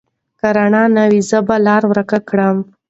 که رڼا نه وي، زه به لاره ورکه کړم.